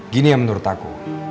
gini yang menurut aku